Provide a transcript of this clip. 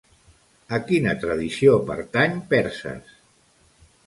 A quina tradició pertany Perses?